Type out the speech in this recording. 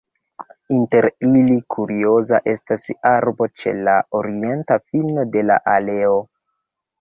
Inter ili kurioza estas arbo ĉe la orienta fino de la aleo.